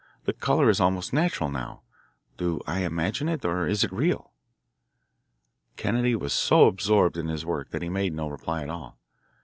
Its colour is almost natural now. Do I imagine it or is it real?" Kennedy was so absorbed in his work that he made no reply at all.